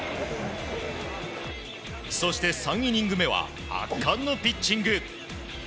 そして、３イニング目は圧巻のピッチング。